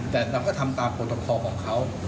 แต่นักธรรมก็ทำตามกฎกรของเขา